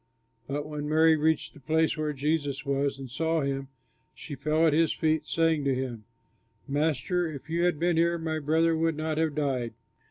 But when Mary reached the place where Jesus was and saw him, she fell at his feet, saying to him, "Master, if you had been here, my brother would not have died."